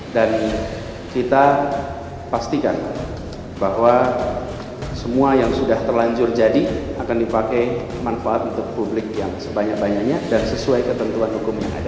dan kita pastikan bahwa semua yang sudah terlanjur jadi akan dipakai manfaat untuk publik yang sebanyak banyaknya dan sesuai ketentuan hukum yang ada